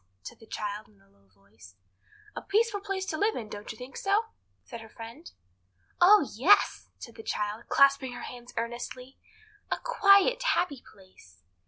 said the child in a low voice. "A peaceful place to live in; don't you think so?" said her friend. "Oh yes!" said the child, clasping her hands earnestly; "a quiet, happy place."